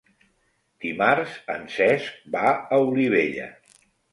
Dimarts en Cesc va a Olivella.